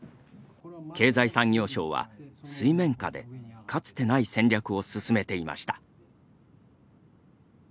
経済産業省は水面下でかつてない戦略を進めていました。